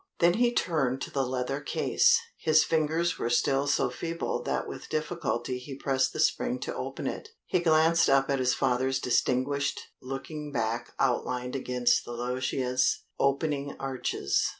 Then he turned to the leather case. His fingers were still so feeble that with difficulty he pressed the spring to open it. He glanced up at his father's distinguished looking back outlined against the loggia's opening arches.